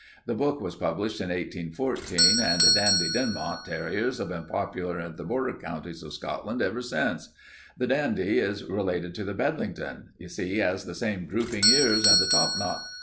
The book was published in 1814, and Dandie Dinmont terriers have been popular in the border countries of Scotland ever since. The Dandie is related to the Bedlington. You see he has the same drooping ears and the topknot.